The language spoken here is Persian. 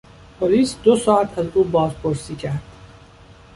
پلیس دو ساعت از او بازپرسی کرد.